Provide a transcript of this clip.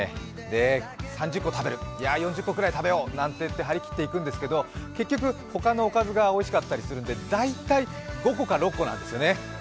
で、３０個ぐらい食べる、いや、４０個ぐらい食べようなんていって張り切って行くんですけど結局、他のおかずがおいしかったりするんで、大体５個か６個なんですよね。